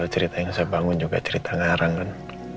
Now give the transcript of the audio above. cerita yang saya bangun juga cerita ngarang kan